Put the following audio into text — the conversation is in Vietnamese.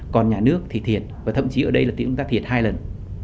còn nhà nước thì thiệt và thậm chí ở đây là tiễn ra thiệt hai lần